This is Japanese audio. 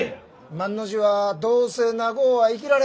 万の字はどうせ長うは生きられん。